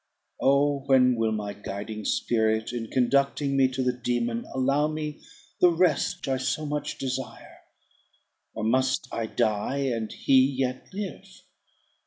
Oh! when will my guiding spirit, in conducting me to the dæmon, allow me the rest I so much desire; or must I die, and he yet live?